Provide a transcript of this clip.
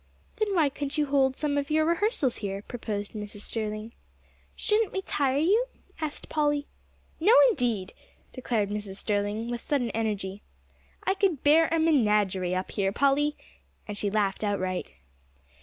"Then why couldn't you hold some of your rehearsals here?" proposed Mrs. Sterling. "Shouldn't we tire you?" asked Polly. "No, indeed!" declared Mrs. Sterling, with sudden energy, "I could bear a menagerie up here, Polly," and she laughed outright.